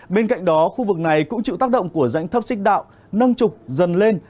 bên cạnh đó khu vực này cũng chịu tác động của rãnh thấp xích đạo nâng trục dần lên